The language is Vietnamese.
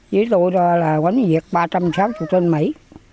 với tôi là quân diệt ba trăm sáu mươi tên mỹ